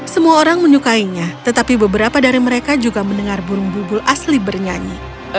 semua orang menyukainya tetapi beberapa dari mereka juga mendengar burung bubul asli bernyanyi